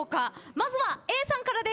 まずはＡさんからです。